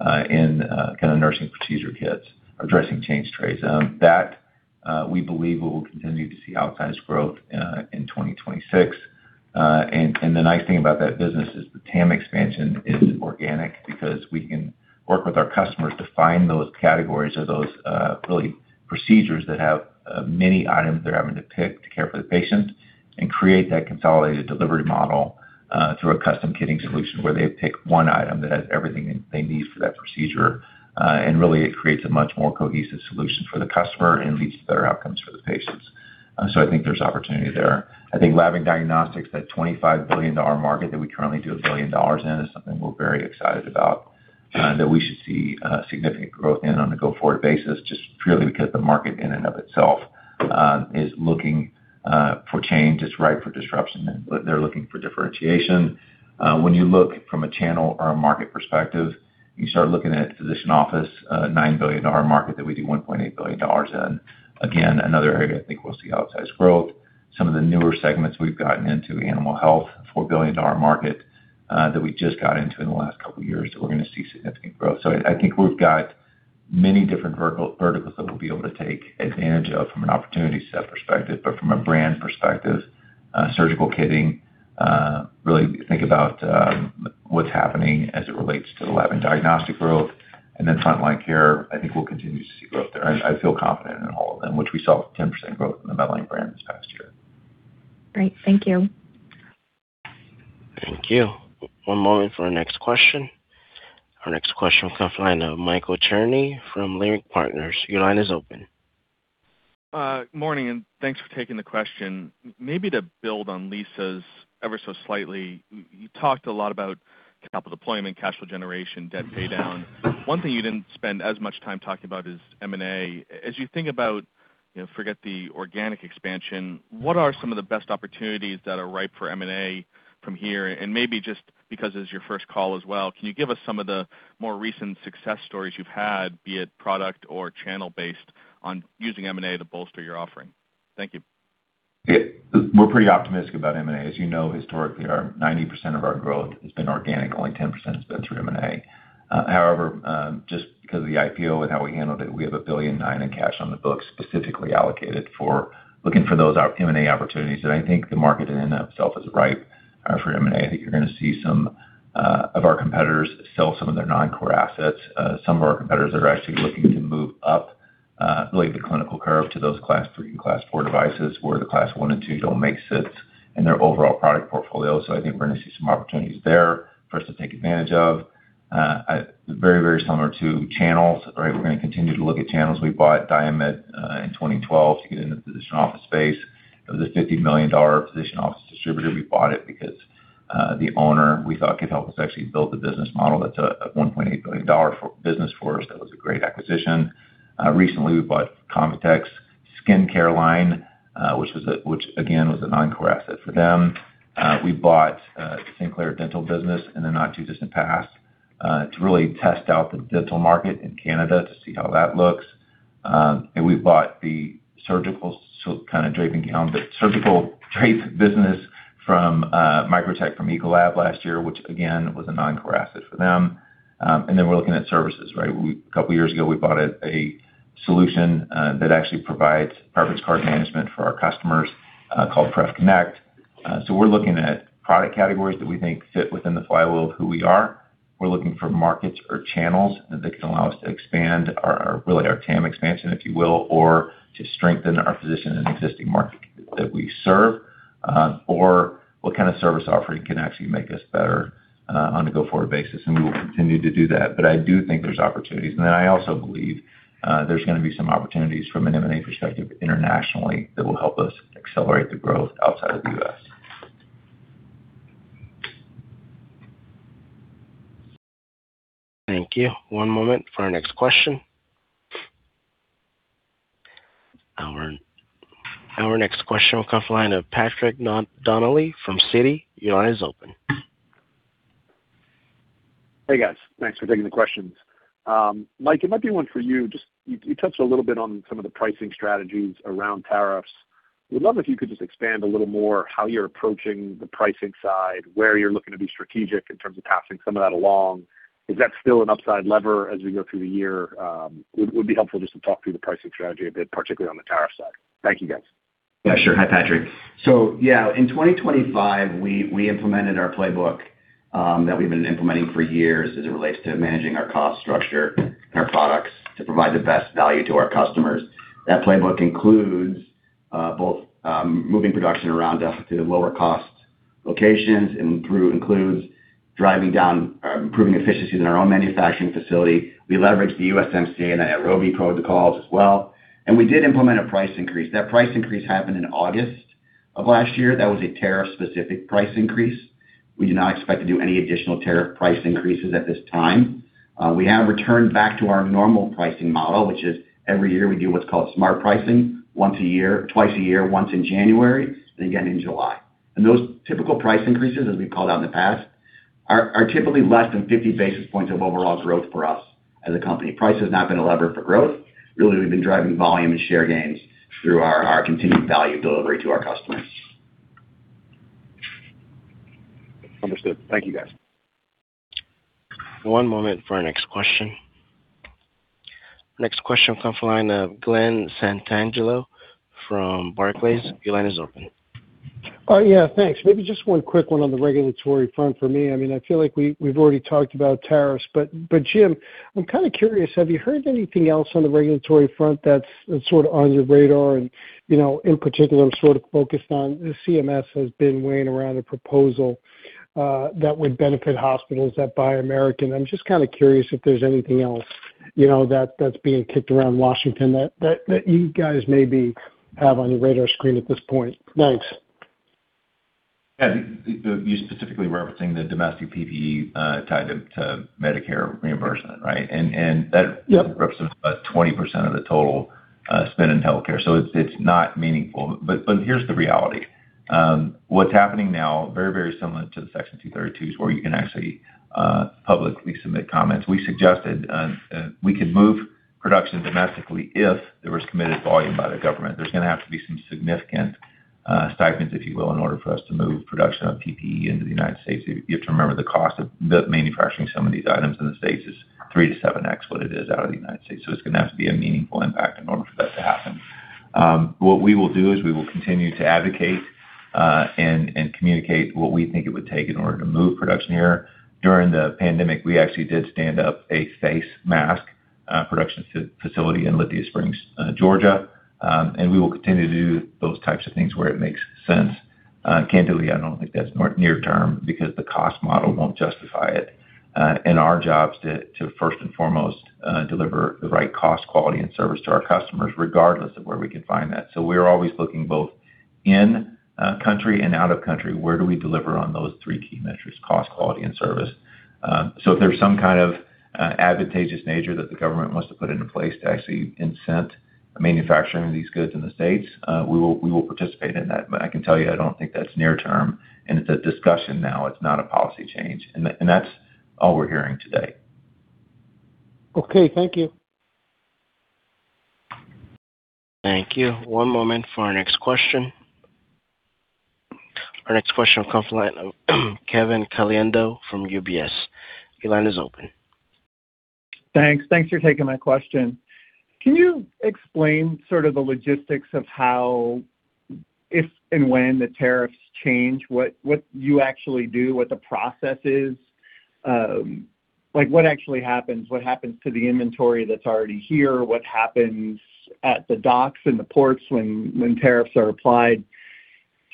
and kind of nursing procedure kits or dressing change trays. That we believe we will continue to see outsized growth in 2026. The nice thing about that business is the TAM expansion is organic because we can work with our customers to find those categories or those really, procedures that have many items they're having to pick to care for the patient and create that consolidated delivery model through a custom kitting solution, where they pick one item that has everything they need for that procedure. Really, it creates a much more cohesive solution for the customer and leads to better outcomes for the patients. I think there's opportunity there. I think Laboratory and Diagnostics, that $25 billion market that we currently do $1 billion in, is something we're very excited about, that we should see significant growth in on a go-forward basis, just purely because the market in and of itself is looking for change, it's ripe for disruption, and they're looking for differentiation. When you look from a channel or a market perspective, you start looking at physician office, $9 billion market that we do $1.8 billion in. Another area I think we'll see outsized growth. Some of the newer segments we've gotten into, animal health, a $4 billion market that we just got into in the last couple of years, that we're gonna see significant growth. I think we've got many different verticals that we'll be able to take advantage of from an opportunity set perspective, but from a brand perspective, Surgical kitting, really think about what's happening as it relates to the Lab and Diagnostic growth, and then Frontline Care, I think we'll continue to see growth there. I feel confident in all of them, which we saw 10% growth in the Medline Brand this past year. Great, thank you. Thank you. One moment for our next question. Our next question comes from the line of Michael Cherny from Leerink Partners. Your line is open. Morning, thanks for taking the question. Maybe to build on Lisa's ever so slightly, you talked a lot about capital deployment, cash flow generation, debt paydown. One thing you didn't spend as much time talking about is M&A. As you think about, you know, forget the organic expansion, what are some of the best opportunities that are ripe for M&A from here? Maybe just because this is your first call as well, can you give us some of the more recent success stories you've had, be it product or channel-based, on using M&A to bolster your offering? Thank you. Yeah, we're pretty optimistic about M&A. As you know, historically, our 90% of our growth has been organic, only 10% has been through M&A. However, just because of the IPO and how we handled it, we have $1.9 billion in cash on the books, specifically allocated for looking for those M&A opportunities, that I think the market in and of itself is ripe for M&A. I think you're gonna see some of our competitors sell some of their non-core assets. Some of our competitors are actually looking to move up really the clinical curve to those Class III and Class IV devices, where the Class I and II don't make sense in their overall product portfolio. I think we're gonna see some opportunities there for us to take advantage of. Very, very similar to channels. All right, we're gonna continue to look at channels. We bought DiaMed in 2012 to get into the physician office space. It was a $50 million physician office distributor. We bought it because the owner, we thought, could help us actually build the business model. That's a $1.8 billion business for us. That was a great acquisition. Recently, we bought ConvaTec's skincare line, which again, was a non-core asset for them. We bought Sinclair Dental business in the not-too-distant past.... to really test out the dental market in Canada to see how that looks. We bought the surgical, so kind of draping gown, the surgical drape business from Microtek from Ecolab last year, which again, was a non-core asset for them. We're looking at services, right? Two years ago, we bought a solution that actually provides cartridge card management for our customers, called PrefConnect. We're looking at product categories that we think fit within the flywheel of who we are. We're looking for markets or channels that can allow us to expand our, really, our TAM expansion, if you will, or to strengthen our position in an existing market that we serve, or what kind of service offering can actually make us better on a go-forward basis, and we will continue to do that. I do think there's opportunities. I also believe, there's going to be some opportunities from an M&A perspective internationally, that will help us accelerate the growth outside of the U.S.. Thank you. One moment for our next question. Our next question will come from the line of Patrick Donnelly from Citi. Your line is open. Hey, guys. Thanks for taking the questions. Mike, it might be one for you. Just, you touched a little bit on some of the pricing strategies around tariffs. Would love if you could just expand a little more how you're approaching the pricing side, where you're looking to be strategic in terms of passing some of that along. Is that still an upside lever as we go through the year? It would be helpful just to talk through the pricing strategy a bit, particularly on the tariff side. Thank you, guys. Yeah, sure. Hi, Patrick. Yeah, in 2025, we implemented our playbook that we've been implementing for years as it relates to managing our cost structure and our products to provide the best value to our customers. That playbook includes both moving production around us to lower cost locations and includes driving down improving efficiencies in our own manufacturing facility. We leverage the USMCA and the AROEE protocols as well, we did implement a price increase. That price increase happened in August of last year. That was a tariff-specific price increase. We do not expect to do any additional tariff price increases at this time. We have returned back to our normal pricing model, which is every year we do what's called smart pricing, once a year, twice a year, once in January and again in July. Those typical price increases, as we've called out in the past, are typically less than 50 basis points of overall growth for us as a company. Price has not been a lever for growth. Really, we've been driving volume and share gains through our continued value delivery to our customers. Understood. Thank you, guys. One moment for our next question. Next question comes from the line of Glen Santangelo from Barclays. Your line is open. Yeah, thanks. Maybe just one quick one on the regulatory front for me. I mean, I feel like we've already talked about tariffs, but, Jim, I'm kind of curious, have you heard anything else on the regulatory front that's sort of on your radar? You know, in particular, I'm sort of focused on the CMS has been weighing around a proposal that would benefit hospitals that buy American. I'm just kind of curious if there's anything else, you know, that's being kicked around Washington, that you guys maybe have on your radar screen at this point. Thanks. Yeah. You specifically referencing the domestic PPE, tied to Medicare reimbursement, right? Yep. That represents about 20% of the total spent in healthcare. It's not meaningful. Here's the reality. What's happening now, very similar to the Section 232s, where you can actually publicly submit comments. We suggested we could move production domestically if there was committed volume by the government. There's going to have to be some significant stipends, if you will, in order for us to move production of PPE into the United States. You have to remember, the cost of manufacturing some of these items in the States is 3x-7x what it is out of the United States. It's going to have to be a meaningful impact in order for that to happen. What we will do is we will continue to advocate and communicate what we think it would take in order to move production here. During the pandemic, we actually did stand up a face mask production facility in Lithia Springs, Georgia, and we will continue to do those types of things where it makes sense. Candidly, I don't think that's near term because the cost model won't justify it. Our job is to first and foremost deliver the right cost, quality, and service to our customers, regardless of where we can find that. We're always looking both in country and out of country, where do we deliver on those three key metrics: cost, quality, and service? If there's some kind of advantageous nature that the government wants to put into place to actually incent manufacturing these goods in the States, we will participate in that. I can tell you, I don't think that's near term, and it's a discussion now, it's not a policy change. That, and that's all we're hearing today. Okay, thank you. Thank you. One moment for our next question. Our next question will come from the line of Kevin Caliendo from UBS. Your line is open. Thanks for taking my question. Can you explain sort of the logistics of how, if and when, the tariffs change, what you actually do, what the process is? Like, what actually happens? What happens to the inventory that's already here? What happens at the docks and the ports when tariffs are applied?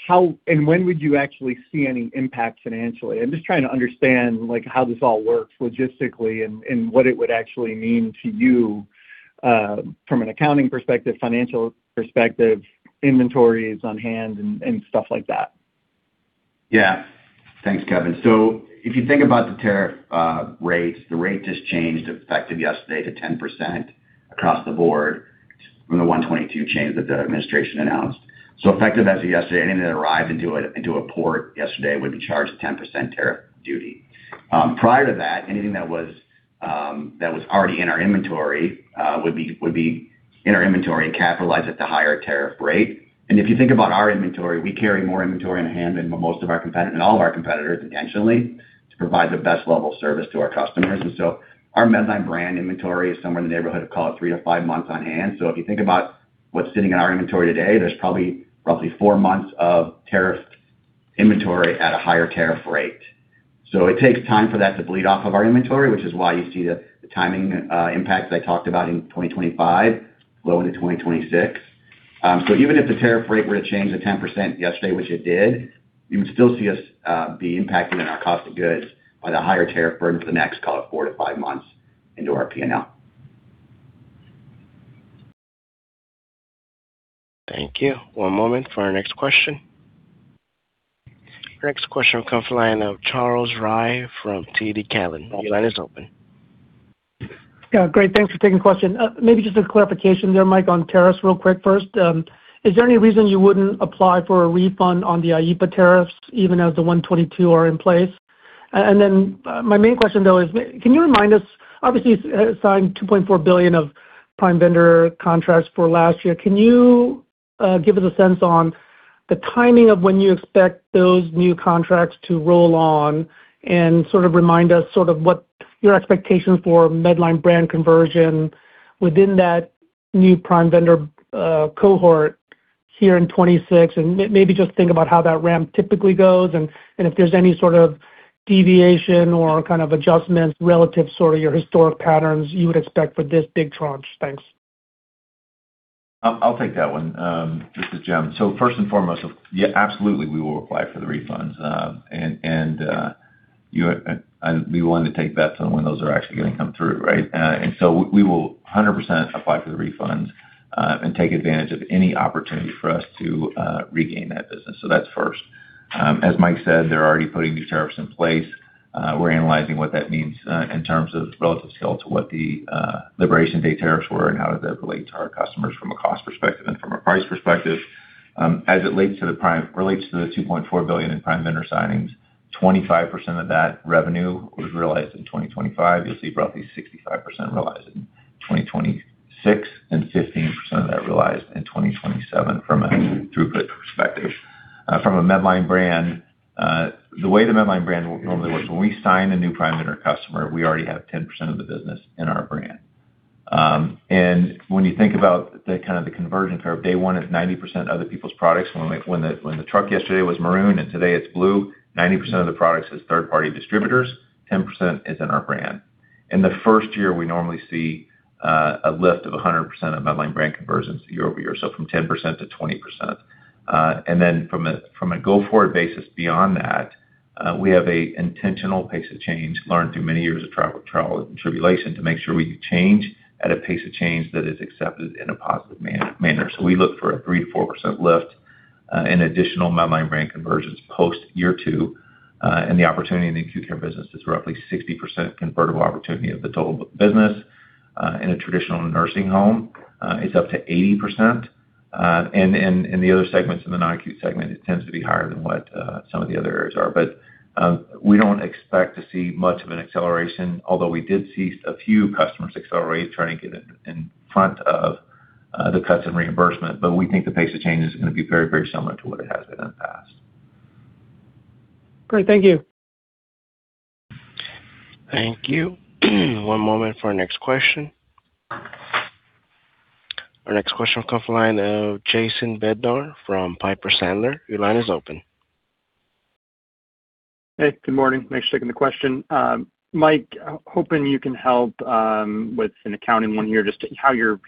How and when would you actually see any impact financially? I'm just trying to understand, like, how this all works logistically and what it would actually mean to you, from an accounting perspective, financial perspective, inventories on hand and stuff like that. Yeah. Thanks, Kevin. If you think about the tariff rates, the rate just changed, affected yesterday to 10% across the board.... from the Section 122 change that the administration announced. Effective as of yesterday, anything that arrived into a port yesterday would be charged a 10% tariff duty. Prior to that, anything that was already in our inventory would be in our inventory and capitalized at the higher tariff rate. If you think about our inventory, we carry more inventory on hand than most of our competitors, than all of our competitors, intentionally, to provide the best level of service to our customers. Our Medline Brand inventory is somewhere in the neighborhood of, call it, three-five months on hand. If you think about what's sitting in our inventory today, there's probably roughly four months of tariff inventory at a higher tariff rate. It takes time for that to bleed off of our inventory, which is why you see the timing impact I talked about in 2025, well into 2026. Even if the tariff rate were to change to 10% yesterday, which it did, you would still see us be impacted in our cost of goods by the higher tariff burden for the next, call it, four-five months into our PNL. Thank you. One moment for our next question. Your next question will come from the line of Charles Rhyee from TD Cowen. Your line is open. Yeah, great. Thanks for taking the question. Maybe just a clarification there, Mike, on tariffs real quick first. Is there any reason you wouldn't apply for a refund on the IEEPA tariffs, even as the Section 122 are in place? My main question, though, is, can you remind us, obviously, you signed $2.4 billion of prime vendor contracts for last year. Can you give us a sense on the timing of when you expect those new contracts to roll on? Sort of remind us sort of what your expectations for Medline Brand conversion within that new prime vendor cohort here in 2026. Maybe just think about how that ramp typically goes, and if there's any sort of deviation or kind of adjustments relative sort of your historic patterns you would expect for this big tranche. Thanks. I'll take that one. This is Jim. First and foremost, yeah, absolutely, we will apply for the refunds. And we wanted to take bets on when those are actually going to come through, right? And so we will 100% apply for the refunds and take advantage of any opportunity for us to regain that business. That's first. As Mike said, they're already putting these tariffs in place. We're analyzing what that means in terms of relative scale to what the Liberation Day tariffs were and how does that relate to our customers from a cost perspective and from a price perspective. As it relates to the $2.4 billion in Prime Vendor signings, 25% of that revenue was realized in 2025. You'll see roughly 65% realized in 2026, and 15% of that realized in 2027 from a throughput perspective. From a Medline Brand, the way the Medline Brand normally works, when we sign a new Prime Vendor customer, we already have 10% of the business in our brand. When you think about the kind of the conversion curve, day one is 90% other people's products. When the truck yesterday was maroon, and today it's blue, 90% of the products is third-party distributors, 10% is in our brand. In the first year, we normally see a lift of 100% of Medline Brand conversions year-over-year, so from 10%-20%. From a, from a go-forward basis beyond that, we have an intentional pace of change learned through many years of trial and tribulation, to make sure we change at a pace of change that is accepted in a positive manner. We look for a 3%-4% lift in additional Medline Brand conversions post year two, and the opportunity in the U.S. Acute Care business is roughly 60% convertible opportunity of the total business. In a traditional nursing home, it's up to 80%. In the other segments, in the U.S. Non-Acute segment, it tends to be higher than what some of the other areas are. We don't expect to see much of an acceleration, although we did see a few customers accelerate, trying to get in front of the cuts in reimbursement. We think the pace of change is going to be very, very similar to what it has been in the past. Great. Thank you. Thank you. One moment for our next question. Our next question will come from the line of Jason Bednar from Piper Sandler. Your line is open. Hey, good morning. Thanks for taking the question. Mike, hoping you can help with an accounting one here, just how you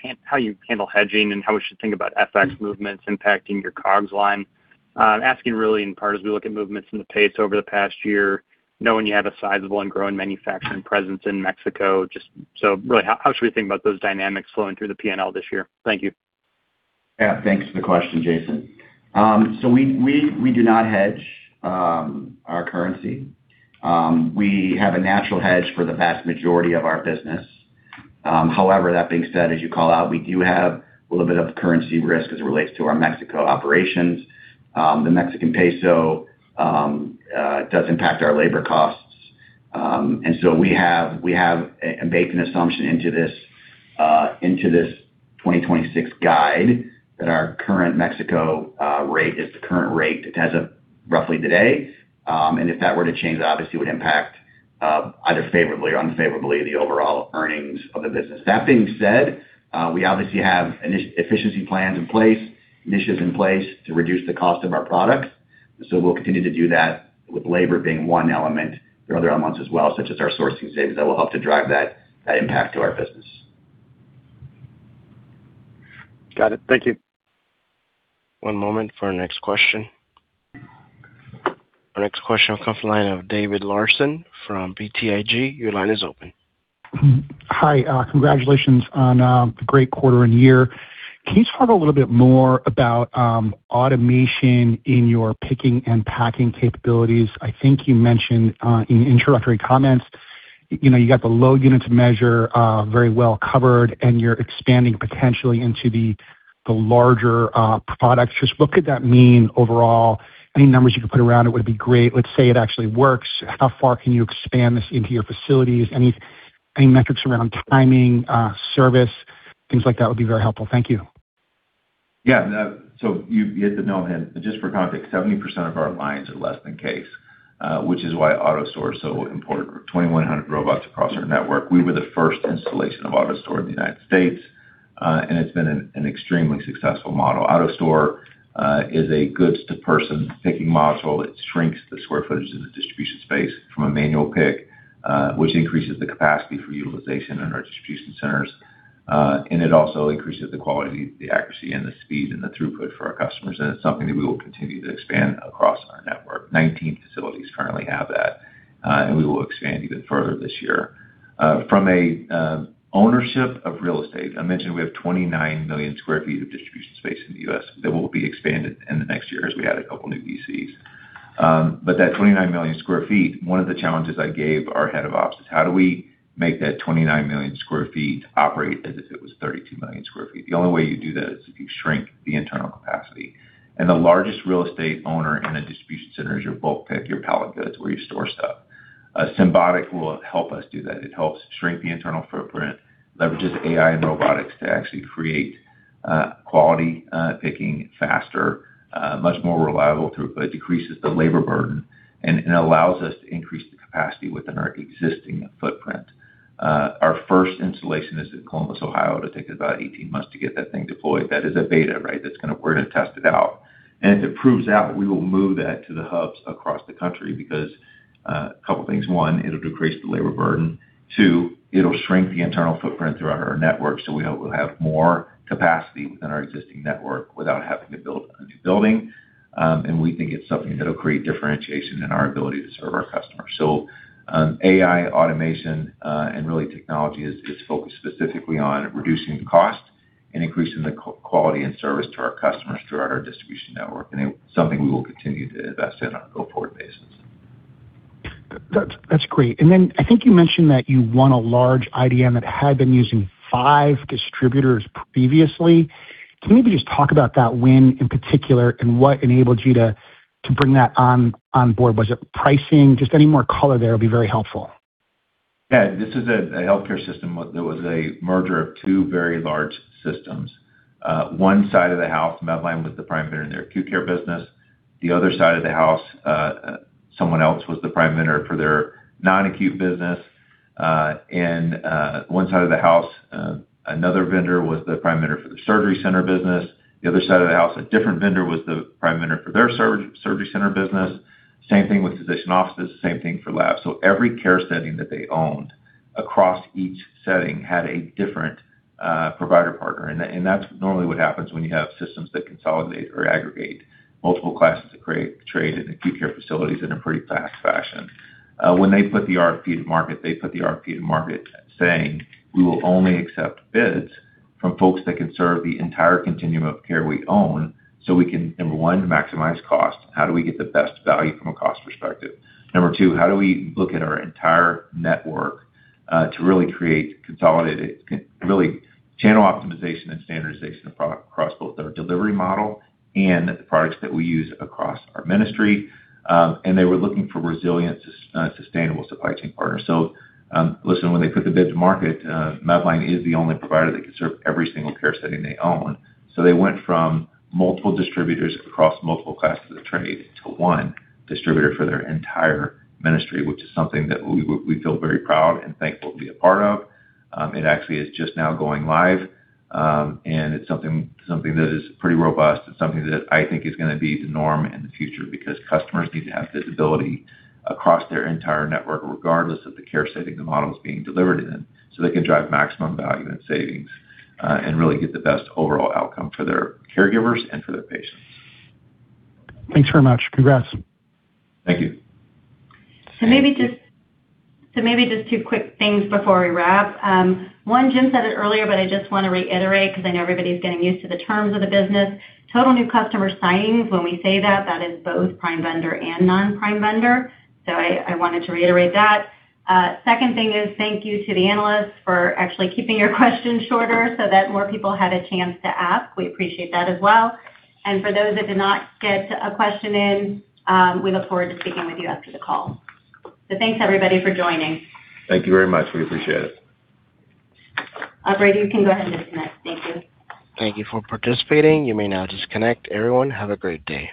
handle hedging and how we should think about FX movements impacting your COGS line. I'm asking really in part as we look at movements in the Mexican peso over the past year, knowing you have a sizable and growing manufacturing presence in Mexico. Really, how should we think about those dynamics flowing through the PNL this year? Thank you. Yeah, thanks for the question, Jason. We do not hedge our currency. We have a natural hedge for the vast majority of our business. However, that being said, as you call out, we do have a little bit of currency risk as it relates to our Mexico operations. The Mexican peso does impact our labor costs. We have embedded an assumption into this 2026 guide, that our current Mexico rate is the current rate as of roughly today. If that were to change, that obviously would impact either favorably or unfavorably, the overall earnings of the business. That being said, we obviously have efficiency plans in place, initiatives in place to reduce the cost of our products. We'll continue to do that with labor being one element. There are other elements as well, such as our sourcing saves, that will help to drive that impact to our business. Got it. Thank you. One moment for our next question. Our next question will come from the line of David Larsen from BTIG. Your line is open. Hi, congratulations on the great quarter and year. Can you talk a little bit more about automation in your picking and packing capabilities? I think you mentioned, in introductory comments. You know, you got the low units measure very well covered, and you're expanding potentially into the larger products. Just what could that mean overall? Any numbers you could put around it would be great. Let's say it actually works, how far can you expand this into your facilities? Any metrics around timing, service, things like that would be very helpful. Thank you. Yeah, you hit the nail on the head. Just for context, 70% of our lines are less than case, which is why AutoStore is so important. 2,100 robots across our network. We were the first installation of AutoStore in the United States, and it's been an extremely successful model. AutoStore is a goods to person picking module. It shrinks the square footage in the distribution space from a manual pick, which increases the capacity for utilization in our distribution centers, and it also increases the quality, the accuracy, and the speed, and the throughput for our customers, and it's something that we will continue to expand across our network. 19 facilities currently have that, and we will expand even further this year. From a, ownership of real estate, I mentioned we have 29 million sq ft of distribution space in the U.S., that will be expanded in the next year, as we add 2 new DCs. That 29 million sq ft, one of the challenges I gave our head of ops is: How do we make that 29 million sq ft operate as if it was 32 million sq ft? The only way you do that is if you shrink the internal capacity. The largest real estate owner in a distribution center is your bulk pick, your pallet goods, where you store stuff. Symbotic will help us do that. It helps shrink the internal footprint, leverages AI and robotics to actually create, quality, picking faster, much more reliable through. It decreases the labor burden, it allows us to increase the capacity within our existing footprint. Our first installation is in Columbus, Ohio. It took us about 18 months to get that thing deployed. That is a beta, right? That's kind of where to test it out. If it proves out, we will move that to the hubs across the country, because a couple things: one, it'll decrease the labor burden. Two, it'll shrink the internal footprint throughout our network, so we hope we'll have more capacity within our existing network without having to build a new building. We think it's something that'll create differentiation in our ability to serve our customers. AI, automation, and really, technology is focused specifically on reducing the cost and increasing the quality and service to our customers throughout our distribution network, and it's something we will continue to invest in on a go-forward basis. That's great. I think you mentioned that you won a large IDN that had been using five distributors previously. Can you maybe just talk about that win in particular, and what enabled you to bring that on board? Was it pricing? Just any more color there will be very helpful. Yeah. This is a healthcare system that was a merger of two very large systems. One side of the house, Medline, was the prime vendor in their acute care business. The other side of the house, someone else was the prime vendor for their non-acute business. One side of the house, another vendor was the prime vendor for the surgery center business. The other side of the house, a different vendor, was the prime vendor for their surgery center business. Same thing with physician offices, same thing for labs. Every care setting that they owned across each setting had a different provider partner. That's normally what happens when you have systems that consolidate or aggregate multiple classes of trade in acute care facilities in a pretty fast fashion. When they put the RFP to market, they put the RFP to market saying: We will only accept bids from folks that can serve the entire continuum of care we own, so we can, number one, maximize cost. How do we get the best value from a cost perspective? Number two, how do we look at our entire network to really create consolidated, really channel optimization and standardization of product across both our delivery model and the products that we use across our ministry? They were looking for resilient, sustainable supply chain partners. Listen, when they put the bid to market, Medline is the only provider that can serve every single care setting they own. They went from multiple distributors across multiple classes of trade to one distributor for their entire ministry, which is something that we feel very proud and thankful to be a part of. It actually is just now going live, and it's something that is pretty robust and something that I think is going to be the norm in the future, because customers need to have visibility across their entire network, regardless of the care setting the model is being delivered in, so they can drive maximum value and savings, and really get the best overall outcome for their caregivers and for their patients. Thanks very much. Congrats. Thank you. Maybe just two quick things before we wrap. One, Jim said it earlier, but I just want to reiterate, because I know everybody's getting used to the terms of the business. Total new customer signings, when we say that is both Prime Vendor and non-Prime Vendor. I wanted to reiterate that. Second thing is, thank you to the analysts for actually keeping your questions shorter so that more people had a chance to ask. We appreciate that as well. For those that did not get a question in, we look forward to speaking with you after the call. Thanks, everybody, for joining. Thank you very much. We appreciate it. Operator, you can go ahead and disconnect. Thank you. Thank you for participating. You may now disconnect. Everyone, have a great day.